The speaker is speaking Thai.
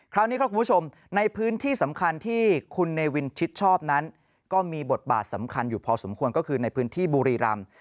คราวนี้ครับคุณผู้ชมในพื้นที่สำคัญที่คุณเนวินชิดชอบนั้นก็มีบทบาทสำคัญอยู่พอสมควรก็คือในพื้นที่บุรีรำ